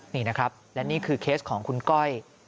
นี่นะครับและนี่คือเคสของคุณก้อย